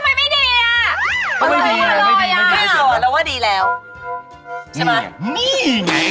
มันเป็นอะไร